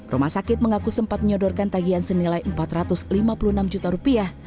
rumah sakit mengaku sempat menyodorkan tagihan senilai empat ratus lima puluh enam juta rupiah